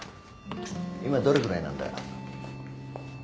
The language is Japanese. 今どれぐらいなんだ？